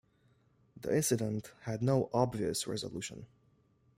The incident had no obvious resolution.